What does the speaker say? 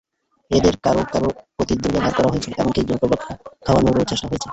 এঁদের কারও কারও প্রতি দুর্ব্যবহার করা হয়েছে, এমনকি জোরপূর্বক খাওয়ানোরও চেষ্টা হয়েছে।